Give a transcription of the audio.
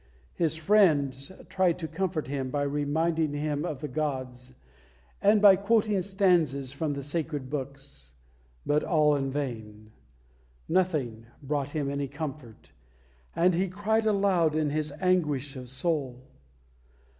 His friends tried to comfort him by reminding him of the gods, and by quoting stanzas from the sacred books; but all in vain. Nothing brought him any comfort, and he cried aloud in his anguish of soul.